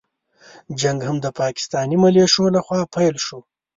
جنګ هم د پاکستاني مليشو له خوا پيل شو.